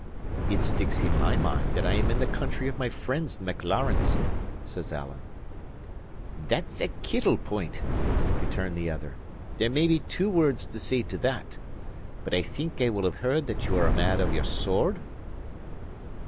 "It sticks in my mind that I am in the country of my friends the Maclarens," says Alan. "That's a kittle point," returned the other. "There may be two words to say to that. But I think I will have heard that you are a man of your sword?"